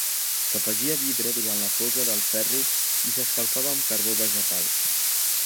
S'afegia vidre durant la fosa del ferro i s'escalfava amb carbó vegetal.